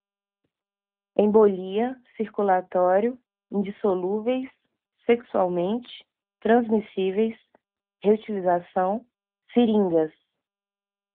embolia, circulatório, indissolúveis, sexualmente, transmissíveis, reutilização, seringas